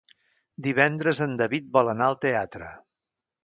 Divendres en David vol anar al teatre.